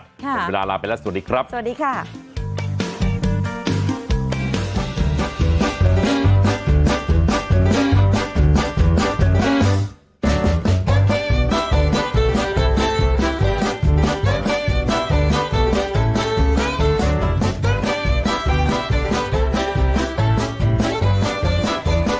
หมดเวลาลาไปแล้วสวัสดีครับสวัสดีค่ะ